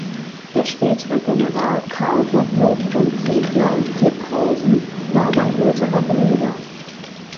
Der spätere General Carl Gottlob von Ziegler und Klipphausen war sein älterer Bruder.